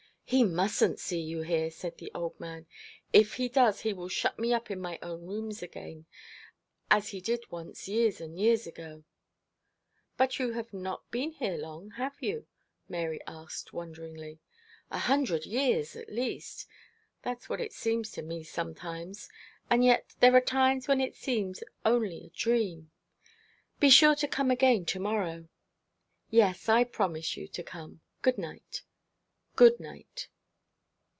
'He mustn't see you here,' said the old man. 'If he does he will shut me up in my own rooms again, as he did once, years and years ago.' 'But you have not been here long, have you?' Mary asked, wonderingly. 'A hundred years, at least. That's what it seems to me sometimes. And yet there are times when it seems only a dream. Be sure you come again to morrow.' 'Yes, I promise you to come; good night.' 'Good night.'